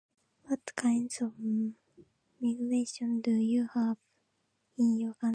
What kinds of [unclear|relation?] do you have in your cou-